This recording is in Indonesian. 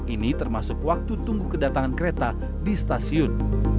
ini termasuk waktu tunggu kedatangan kereta di stasiun